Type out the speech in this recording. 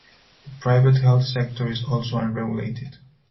The private health sector is also unregulated.